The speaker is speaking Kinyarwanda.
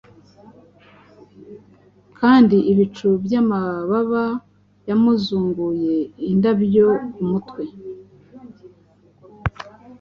Kandi ibicu byamababa yamuzunguye indabyo kumutwe.